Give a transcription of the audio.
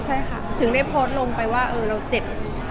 ใช่ค่ะถึงได้โพสต์ลงไปว่าเราเจ็บ